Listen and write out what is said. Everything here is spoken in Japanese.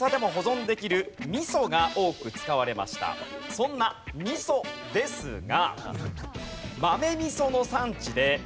そんな味噌ですが。